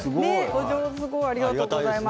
ありがとうございます。